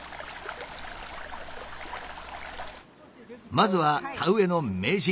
まずは田植えの名人